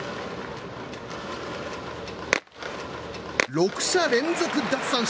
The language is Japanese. ６者連続奪三振。